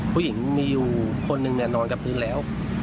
ผู้หญิงมีอยู่คนหนึ่งนอนกับพื้นแล้ว